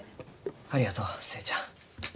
ありがとう寿恵ちゃん。